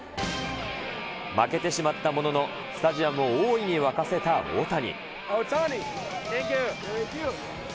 負けてしまったものの、スタジアムを大いに沸かせた大谷。